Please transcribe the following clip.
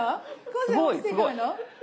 すごいすごい。